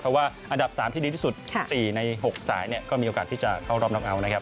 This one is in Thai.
เพราะว่าอันดับ๓ที่ดีที่สุด๔ใน๖สายก็มีโอกาสที่จะเข้ารอบน็อกเอาท์นะครับ